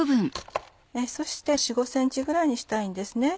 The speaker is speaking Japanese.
そして４５ｃｍぐらいにしたいんですね。